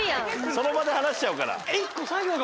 その場で離しちゃうから。